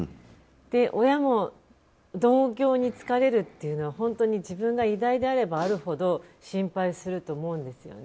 親も、同業に就かれるというのは自分が偉大であればあるほど心配すると思うんですよね。